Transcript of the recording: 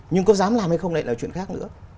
nhưng có dám làm hay không lại là chuyện khác nữa